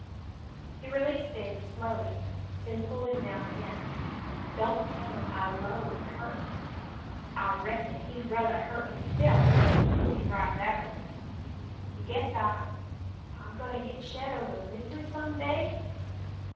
He released David slowly, then pulled him down again. "Don't tell him I 'lowed hit hurted me. I reckon he'd ruthah hurt hisself if he could do me right that a way. You guess I — I'm goin' to git shet o' the misery some day